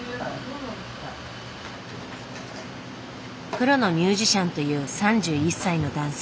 プロのミュージシャンという３１歳の男性。